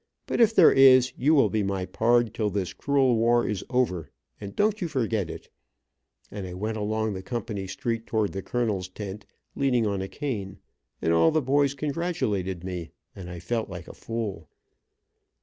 But if there is, you will be my pard till this cruel war is over, and don't you forget it," and I went along the company street towards the colonel's tent, leaning on a cane, and all the boys congratulated me, and I felt like a fool.